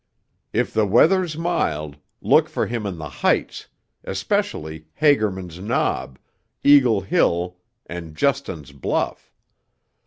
If the weather's mild, look for him in the heights, especially Hagerman's Knob, Eagle Hill and Justin's Bluff.